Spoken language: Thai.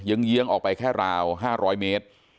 เยื้องออกไปแค่ราว๕๐๐เมตร